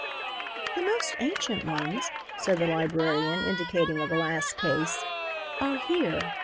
"The most ancient ones," said the librarian, indicating a glass case, "are here.